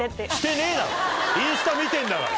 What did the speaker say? インスタ見てんだから。